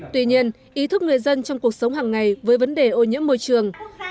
tuy nhiên ý thức người dân trong cuộc sống hàng ngày với vấn đề ô nhiễm môi trường